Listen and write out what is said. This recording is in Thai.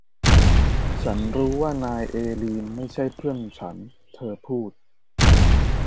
ฉันรู้ว่านายเอลีนไม่ใช่เพื่อนฉันเธอพูด